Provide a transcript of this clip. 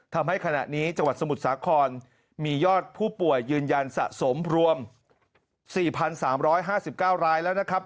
ทำให้ขณะนี้จังหวัดสมุทรสาครมียอดผู้ป่วยยืนยันสะสมรวม๔๓๕๙รายแล้วนะครับ